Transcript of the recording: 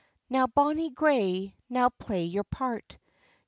"Now, bonny grey, now play your part!